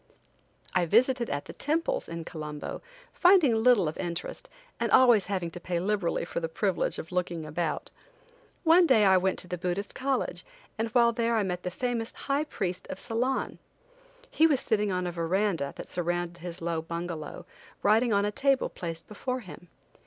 I visited at the temples in Colombo, finding little of interest, and always having to pay liberally for the privilege of looking about. One day I went to the Buddhist college, and while there I met the famous high priest of Ceylon. He was sitting on a verandah, that surrounded his low bungalow, writing on a table placed before him.